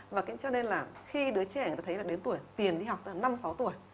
và cho nên là khi đứa trẻ thấy đến tuổi tiền đi học năm sáu tuổi